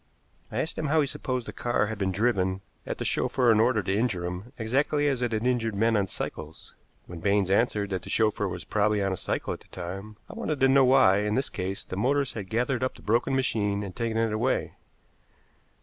I asked him how he supposed the car had been driven at the chauffeur in order to injure him, exactly as it had injured men on cycles. When Baines answered that the chauffeur was probably on a cycle at the time, I wanted to know why, in this case, the motorist had gathered up the broken machine and taken it away.